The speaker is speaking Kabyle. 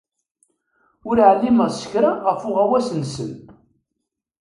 Ur ɛlimeɣ s kra ɣef uɣawas-nsen.